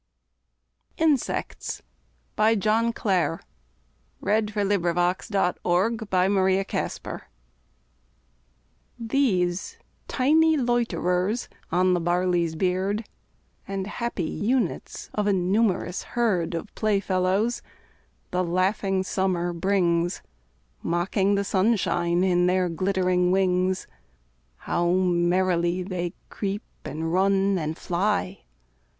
his hair to grey, Yet leaves him happy as a child at play. Insects These tiny loiterers on the barley's beard, And happy units of a numerous herd Of playfellows, the laughing Summer brings, Mocking the sunshine in their glittering wings, How merrily they creep, and run, and fly!